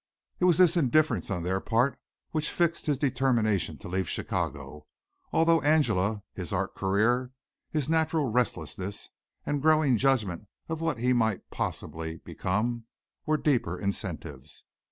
It was this indifference on their part which fixed his determination to leave Chicago, although Angela, his art career, his natural restlessness and growing judgment of what he might possibly become were deeper incentives.